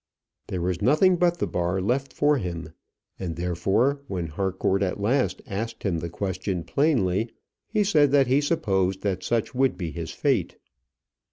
There was nothing but the bar left for him; and therefore when Harcourt at last asked him the question plainly, he said that he supposed that such would be his fate.